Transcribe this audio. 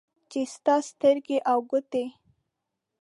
چې ستا سترګې او ګوټې